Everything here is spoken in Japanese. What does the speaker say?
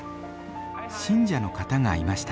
信者の方がいました。